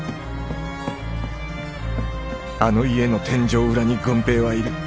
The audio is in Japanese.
あの家の天井裏に「郡平」はいる。